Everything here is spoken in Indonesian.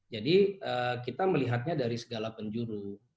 jadi kita melihatnya dari segala penjuru